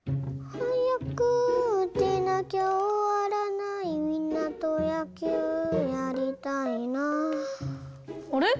はやくうてなきゃおわらないみんなとやきゅうやりたいなあれ？